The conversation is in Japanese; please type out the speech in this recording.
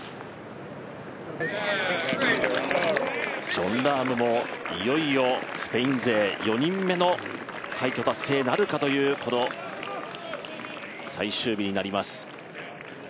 ジョン・ラームもいよいよスペイン勢４人目の快挙達成なるかというこの最終日になります。